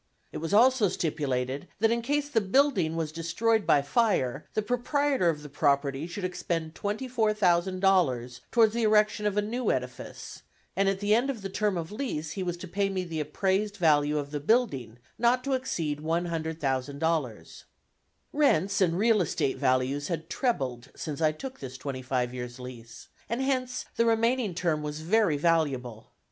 It was also stipulated that in case the building was destroyed by fire the proprietor of the property should expend twenty four thousand dollars towards the erection of a new edifice, and at the end of the term of lease he was to pay me the appraised value of the building, not to exceed $100,000. Rents and real estate values had trebled since I took this twenty five years' lease, and hence the remaining term was very valuable.